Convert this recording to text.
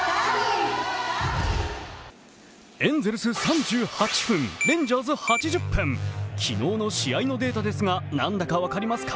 エンゼルス３８分、レンジャーズ８０分、昨日の試合のデータですが、何だか分かりますか？